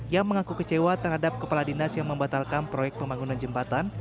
yang mengaku kecewa terhadap kepala dinas yang membatalkan proyek pembangunan jembatan